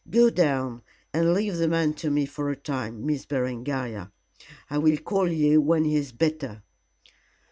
"Go down and leave the man to me for a time, Miss Berengaria. I will call you when he is better."